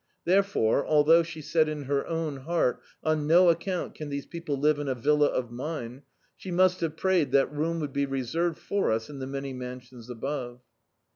Therefore, althou^ she said in her own heart — "oa no account can these people live in a villa of mine," she must have prayed that room would be reserved for us in the many mansions above.